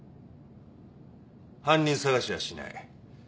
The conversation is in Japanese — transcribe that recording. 犯人捜しはしない。